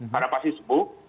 karena pasti sebuah